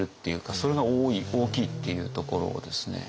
それが大きいっていうところをですね。